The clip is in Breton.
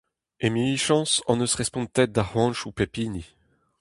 Emichañs hon eus respontet da c'hoantoù pep hini.